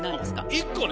１個ね。